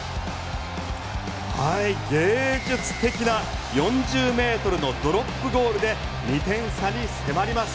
芸術的な４０ｍのドロップゴールで２点差に迫ります。